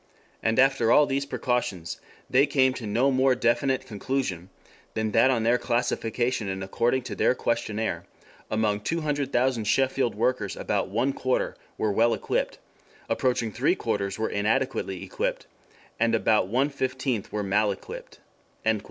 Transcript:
And after all these precautions they came to no more definite conclusion than that on their classification and according to their questionnaire, among 200,000 Sheffield workers "about one quarter" were "well equipped," "approaching three quarters" were "inadequately equipped" and that "about one fifteenth" were "mal equipped."